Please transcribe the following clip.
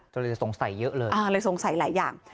ก็เลยสงสัยเยอะเลยเลยสงสัยหลายอย่าง